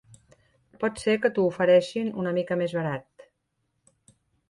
Pot ser que t'ho ofereixin una mica més barat.